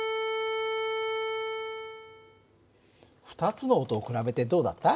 ２つの音を比べてどうだった？